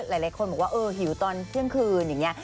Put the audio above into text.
หลายคนบอกว่าเออหิวตอนเที่ยงคืนอย่างนี้